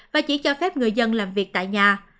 và chỉ cho phép người dân làm việc tại nhà